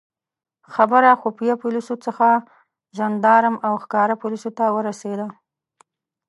خبره خفیه پولیسو څخه ژندارم او ښکاره پولیسو ته ورسېده.